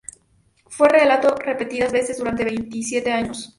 Fue reelecto repetidas veces durante veintisiete años.